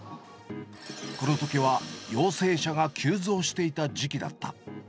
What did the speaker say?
このときは陽性者が急増していた時期だった。